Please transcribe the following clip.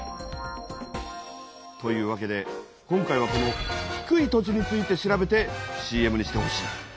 というわけで今回はこの低い土地について調べてＣＭにしてほしい。